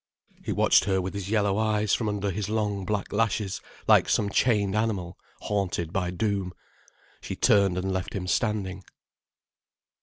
He watched her with his yellow eyes, from under his long black lashes, like some chained animal, haunted by doom. She turned and left him standing.